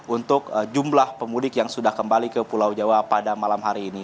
untuk jumlah pemudik yang sudah kembali ke pulau jawa pada malam hari ini